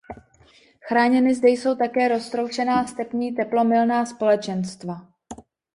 Chráněny zde jsou také roztroušená stepní teplomilná společenstva.